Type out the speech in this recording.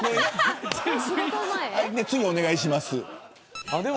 次、お願いします。